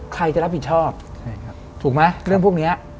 ใครจะรับผิดชอบถูกไหมเรื่องพวกนี้